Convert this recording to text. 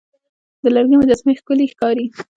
د لرګي مجسمې ښکلي ښکاري.